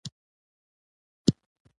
په ځوانۍ کې یې مبارزه پیل کړه.